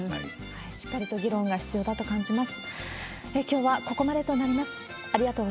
しっかりと議論が必要だと感じます。